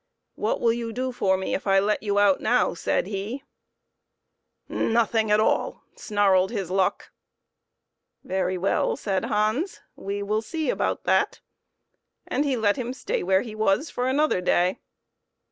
" What will you do for me if I will let you out now ?" said he= " Nothing at all," snarled his luck. " Very well," said Hans, " we will see about that." So he let him stay where he was for another day.